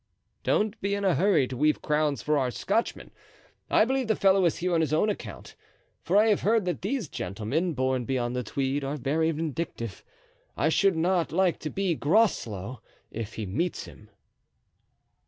"Don't be in a hurry to weave crowns for our Scotchman. I believe the fellow is here on his own account, for I have heard that these gentlemen born beyond the Tweed are very vindictive. I should not like to be Groslow, if he meets him."